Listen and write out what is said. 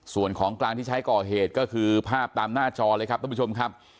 ส่วนของกลางที่ใช้ก่อเหตุก็คือภาพตามหน้าจอเลยครับท่านผู้ชมครับ